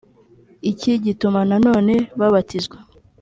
iki gituma nanone babatizwa